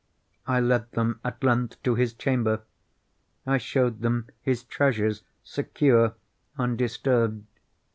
I led them, at length, to his chamber. I showed them his treasures, secure, undisturbed.